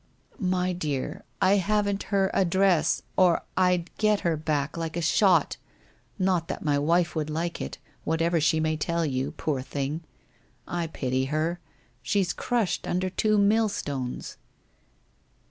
' My dear, I haven't her address, or I'd get her back like a shot — not that my wife would like it, whatever she may tell you, poor thing! I pity her. She's crushed under two millstones.'